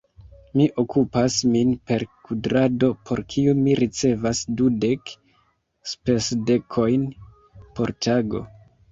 Mi okupas min per kudrado, por kiu mi ricevas dudek spesdekojn por tago.